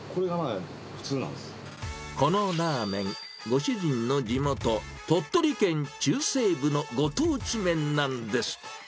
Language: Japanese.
このラーメン、ご主人の地元、鳥取県中西部のご当地麺なんです。